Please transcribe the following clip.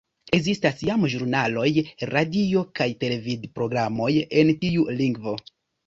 Ekzistas jam ĵurnaloj, radio‑ kaj televid‑programoj en tiu lingvo.